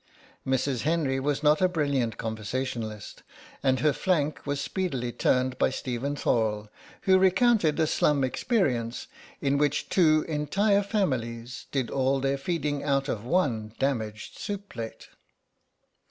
Mrs. Henry was not a brilliant conversationalist, and her flank was speedily turned by Stephen Thorle, who recounted a slum experience in which two entire families did all their feeding out of one damaged soup plate.